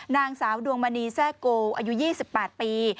นางสาวดวงมณีแทร่โกอายุ๒๘ปี